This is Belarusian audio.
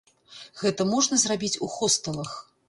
Гэта можна зрабіць у хостэлах.